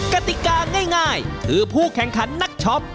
กติกาง่ายคือผู้แข่งขันนักช็อป